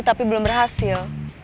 tapi belum berhasil